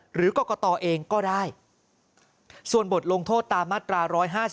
หรือกรกตเองก็ได้ส่วนบทลงโทษตามมาตรา๑๕๒